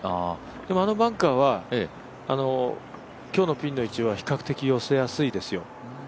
でもあのバンカーは今日のピンの位置は比較的寄せやすいですよ。